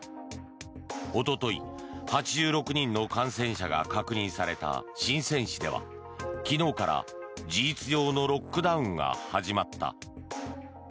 おととい、８６人の感染者が確認されたシンセン市では昨日から事実上のロックダウンが始まった。